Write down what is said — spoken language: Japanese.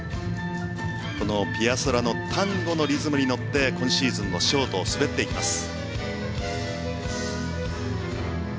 このピアソラのタンゴのリズムに乗って今シーズンのショートを滑っていきます。